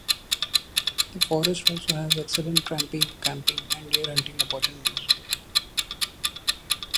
The forest also has excellent tramping, camping and deer hunting opportunities.